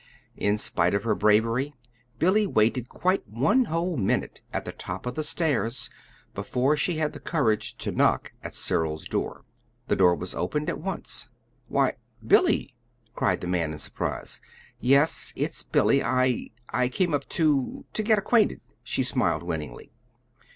In spite of her bravery, Billy waited quite one whole minute at the top of the stairs before she had the courage to knock at Cyril's door. The door was opened at once. "Why Billy!" cried the man in surprise. "Yes, it's Billy. I I came up to to get acquainted," she smiled winningly.